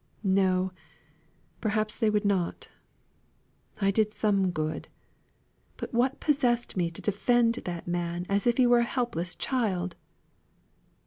"No, perhaps they would not. I did some good. But what possessed me to defend that man as if he were a helpless child!